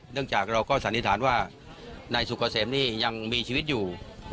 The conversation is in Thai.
เนื่องจากเราก็สันนิษฐานว่าในสุขเสมนี่ยังมีชีวิตอยู่